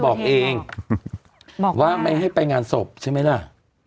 บอกเองบอกว่าไม่ให้ไปงานศพใช่ไหมล่ะ